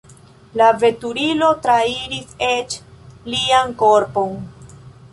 La veturilo trairis eĉ lian korpon.